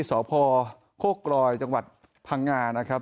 สพโคกลอยจังหวัดพังงานะครับ